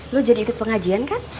lo jadi ikut pengajian kan